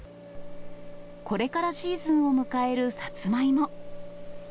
これからシーズンを迎えるサツマイモ。